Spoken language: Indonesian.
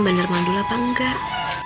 bener mandul apa enggak